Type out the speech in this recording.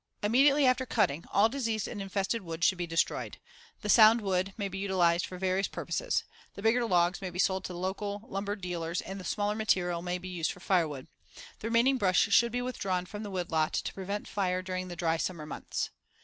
Immediately after cutting all diseased and infested wood should be destroyed. The sound wood may be utilized for various purposes. The bigger logs may be sold to the local lumber dealers and the smaller material may be used for firewood. The remaining brush should be withdrawn from the woodlot to prevent fire during the dry summer months.